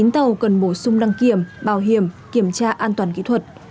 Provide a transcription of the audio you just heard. chín tàu cần bổ sung đăng kiểm bảo hiểm kiểm tra an toàn kỹ thuật